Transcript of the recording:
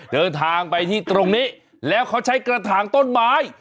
เดินทางไปที่ตรงนี้แล้วเขาใช้กระถางต้นไม้